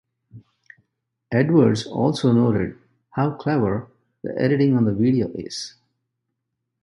Edwards also noted how "clever" the editing on the video is.